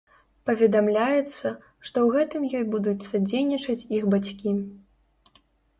Паведамляецца, што ў гэтым ёй будуць садзейнічаць іх бацькі.